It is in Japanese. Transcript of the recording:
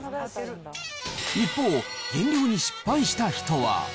一方、減量に失敗した人は。